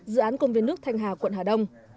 dự án công viên nước thanh hà quận hà đông